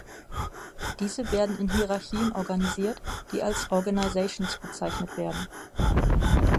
Diese werden in Hierarchien organisiert, die als "Organizations" bezeichnet werden.